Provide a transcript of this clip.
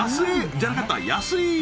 じゃなかった安い！